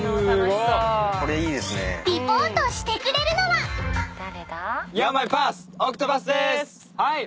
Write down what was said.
はい！